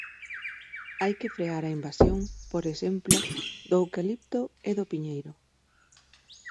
Hai que frear a invasión, por exemplo, do eucalipto e do piñeiro.